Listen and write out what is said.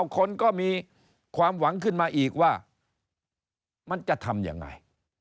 คนก็มีความหวังขึ้นมาอีกว่ามันจะทำยังไง